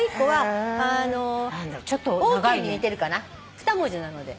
二文字なので。